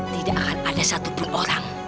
tidak akan ada satupun orang